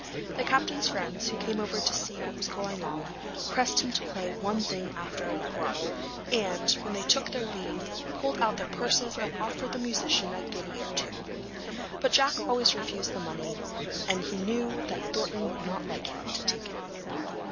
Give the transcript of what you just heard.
The captain's friends, who came over to see what was going on, pressed him to play one thing after another, and, when they took their leave, pulled out their purses and offered the musician a guinea or two. But Jack always refused the money, as he knew that Thornton would not like him to take it.